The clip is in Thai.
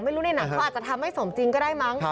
เขาอาจจะทำให้สมจริงก็ได้มั้ง